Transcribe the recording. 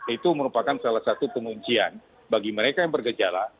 itu merupakan salah satu penguncian bagi mereka yang bergejala